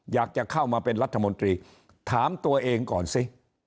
อยากจะเข้ามาเป็นรัฐมนตรีถามตัวเองก่อนสิ